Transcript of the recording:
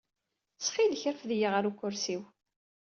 Ttxil-k, rfed-iyi ɣer ukersi-w.